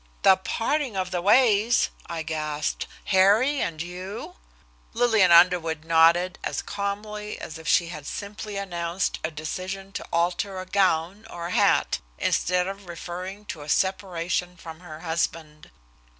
"The parting of the ways!" I gasped. "Harry and you?" Lillian Underwood nodded as calmly as if she had simply announced a decision to alter a gown or a hat, instead of referring to a separation from her husband.